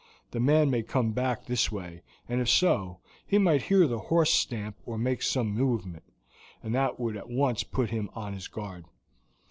The man may come back this way, and if so, he might hear the horse stamp or make some movement, and that would at once put him on his guard."